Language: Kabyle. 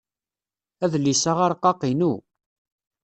Adlis-a arqaq inu.